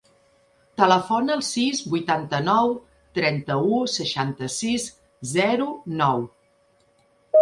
Telefona al sis, vuitanta-nou, trenta-u, seixanta-sis, zero, nou.